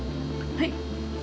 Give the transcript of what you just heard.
はい？